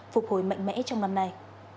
phục hồi mạnh mẽ trong năm nay